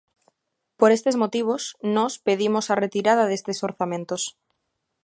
Por estes motivos, nós pedimos a retirada destes orzamentos.